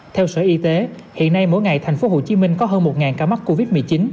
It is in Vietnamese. theo sở y tế hiện nay mỗi ngày tp hcm có hơn một ca mắc covid một mươi chín